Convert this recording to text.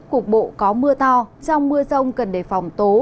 cục bộ có mưa to trong mưa rông cần đề phòng tố